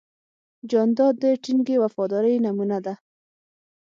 جانداد د ټینګې وفادارۍ نمونه ده.